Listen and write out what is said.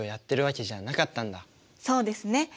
そうですね。